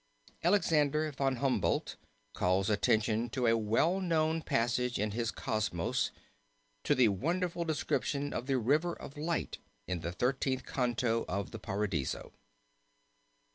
Alexander Von Humboldt calls attention in a well known passage in his Cosmos to the wonderful description of the River of Light in the Thirtieth Canto of the Paradiso.